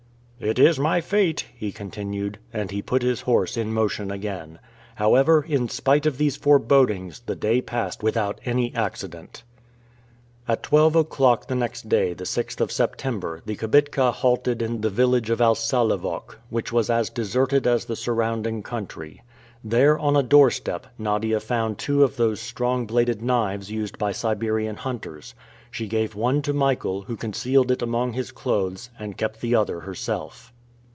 "It is my fate," he continued. And he put his horse in motion again. However, in spite of these forebodings the day passed without any accident. At twelve o'clock the next day, the 6th of September, the kibitka halted in the village of Alsalevok, which was as deserted as the surrounding country. There, on a doorstep, Nadia found two of those strong bladed knives used by Siberian hunters. She gave one to Michael, who concealed it among his clothes, and kept the other herself.